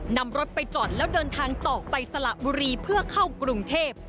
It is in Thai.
นำรถไปจอดแล้วเดินทางต่อไปสละบุรีเพื่อเข้ากรุงเทพ